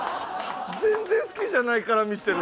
全然好きじゃない絡みしてる！